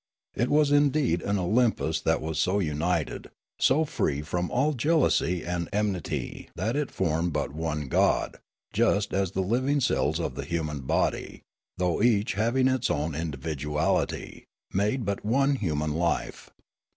It was indeed an Olympus that was so united, so free from all jealousy and enmity that it formed but one god, just as the living cells of the human body, though each having its own in dividualitj', made but one human life.